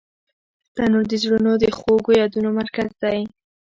تنور د زړونو د خوږو یادونو مرکز دی